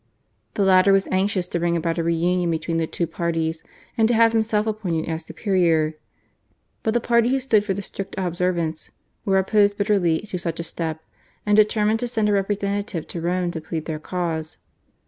The latter was anxious to bring about a reunion between the two parties and to have himself appointed as superior; but the party who stood for the strict observance were opposed bitterly to such a step, and determined to send a representative to Rome to plead their cause.